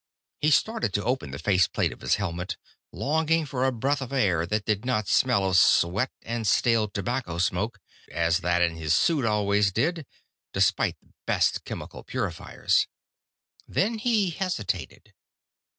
He started to open the face plate of his helmet, longing for a breath of air that did not smell of sweat and stale tobacco smoke, as that in his suit always did, despite the best chemical purifiers. Then he hesitated.